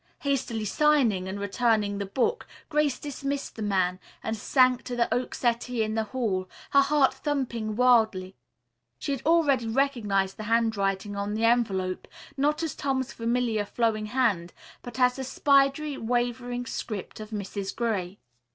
Hastily signing and returning the book, Grace dismissed the man, and sank to the oak settee in the hall, her heart thumping wildly. She had already recognized the handwriting on the envelope, not as Tom's familiar flowing hand, but as the spidery, wavering script of Mrs. Gray.